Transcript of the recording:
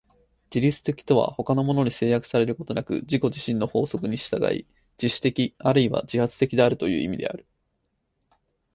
自律的とは他のものに制約されることなく自己自身の法則に従い、自主的あるいは自発的であるという意味である。